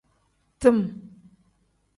Tim.